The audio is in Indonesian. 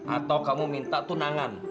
atau kamu minta tunangan